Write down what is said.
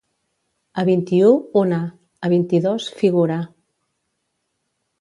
A vint-i-u, una; a vint-i-dos, figura.